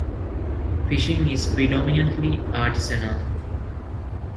Fishing is predominantly artisanal.